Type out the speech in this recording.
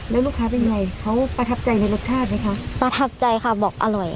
แล้วลูกค้าเป็นไงเขาประทับใจในรสชาติไหมคะประทับใจค่ะบอกอร่อย